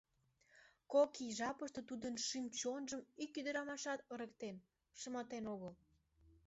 Кок ий жапыште тудын шӱм-чонжым ик ӱдырамашат ырыктен, шыматен огыл.